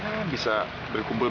nah bisa berbicara